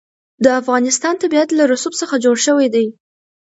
د افغانستان طبیعت له رسوب څخه جوړ شوی دی.